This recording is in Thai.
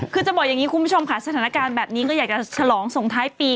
คือจะบอกอย่างนี้คุณผู้ชมค่ะสถานการณ์แบบนี้ก็อยากจะฉลองส่งท้ายปี